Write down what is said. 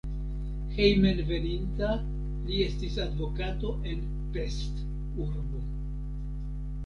Hejmenveninta li estis advokato en Pest (urbo).